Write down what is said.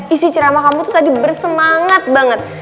isi ceramah kamu tuh tadi bersemangat banget